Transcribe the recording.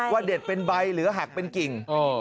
เด็ดเป็นใบหรือหักเป็นกิ่ง